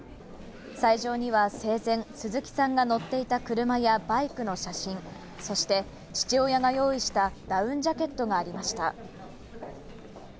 斎場には生前、鈴木さんが乗っていた車やバイクの写真、そして、父親が用意したダウンジャケットがありました。